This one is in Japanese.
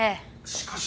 しかし！